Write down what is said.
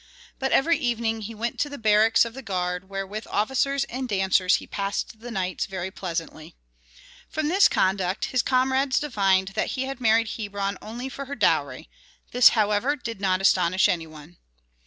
But every evening he went to the barracks of the guard, where with officers and dancers he passed the nights very pleasantly. From this conduct his comrades divined that he had married Hebron only for her dowry; this, however, did not astonish any one.